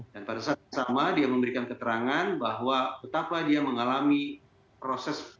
dan pada saat yang sama dia memberikan keterangan bahwa betapa dia mengalami proses